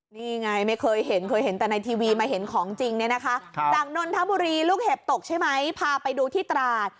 นี่ไงไม่เคยเห็นเคยเห็นแต่ในทีวีมาเห็นของจริงเนี่ยนะคะจากนนทบุรีลูกเห็บตกใช่ไหมพาไปดูที่ตราด